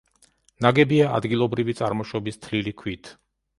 ნაგებია ადგილობრივი წარმოშობის თლილი ქვით.